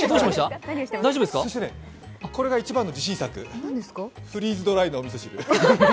そしてね、これが一番の自信作、フリーズドライのおみそ汁。